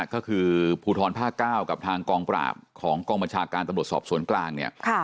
ก็คือภูทรภาคเก้ากับทางกองปราบของตำรวจสอบกรณ์ส่วนกลางเนี่ย